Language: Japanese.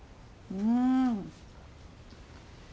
うん。